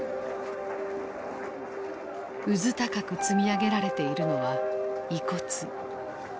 うずたかく積み上げられているのは遺骨。